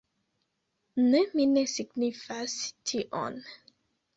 Ne, mi ne signifas tion.